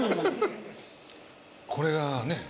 これがね。